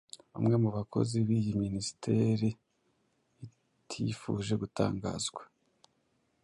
Umwe mu bakozi b'iyi minisiteri utifuje gutangazwa